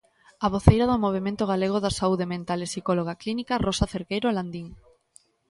A voceira do Movemento Galego da Saúde Mental e psicóloga clínica, Rosa Cerqueiro Landín.